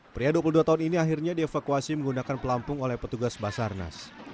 pria dua puluh dua tahun ini akhirnya dievakuasi menggunakan pelampung oleh petugas basarnas